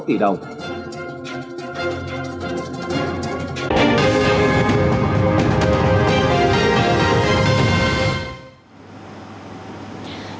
thưa quý vị